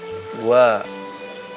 ini dia yang kita udah cintain